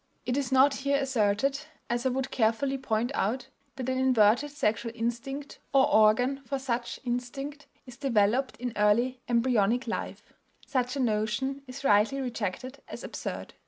It is not here asserted, as I would carefully point out, that an inverted sexual instinct, or organ for such instinct, is developed in early embryonic life; such a notion is rightly rejected as absurd.